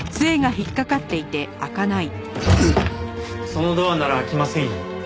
そのドアなら開きませんよ。